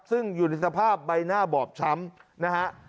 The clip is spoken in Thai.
ซึ่งอยู่ในสภาพใบหน้าบอบช้ำนะฮะ